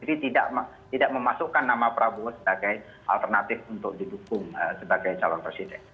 ini tidak memasukkan nama prabowo sebagai alternatif untuk didukung sebagai calon presiden